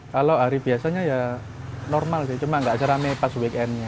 kalau hari biasanya ya normal sih cuma nggak seramai pas weekendnya